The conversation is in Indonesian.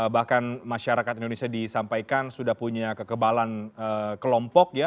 bahkan masyarakat indonesia disampaikan sudah punya kekebalan kelompok ya